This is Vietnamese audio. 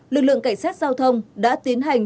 lực lượng cảnh sát giao thông đã tiến hành